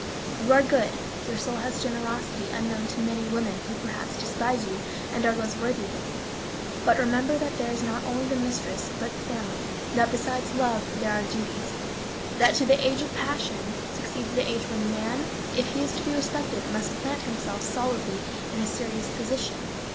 You are good, your soul has generosity unknown to many women who perhaps despise you, and are less worthy than you. But remember that there is not only the mistress, but the family; that besides love there are duties; that to the age of passion succeeds the age when man, if he is to be respected, must plant himself solidly in a serious position.